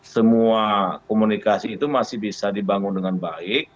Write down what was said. semua komunikasi itu masih bisa dibangun dengan baik